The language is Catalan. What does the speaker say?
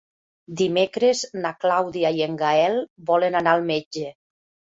Dimecres na Clàudia i en Gaël volen anar al metge.